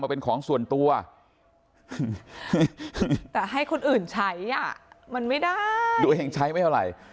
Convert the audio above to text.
เป็นของส่วนตัวแต่ให้คนอื่นใช้อ่ะมันไม่ได้ตัวเองใช้ไม่เท่าไหร่